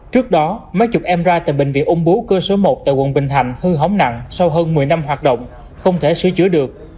trước đó máy chụp mri tại bệnh viện ung bú cơ sở một tại quận bình thành hư hỏng nặng sau hơn một mươi năm hoạt động không thể sửa chữa được